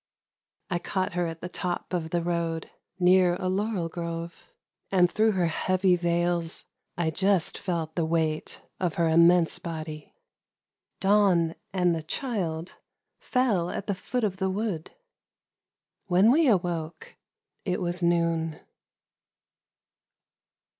I caught her at the t'>p <>t the road, near a laun ami through her hea I just felt the weight of her immense bod) ' Dawn and the child fell at tl I the wood. When u c awoke it v. a • noon.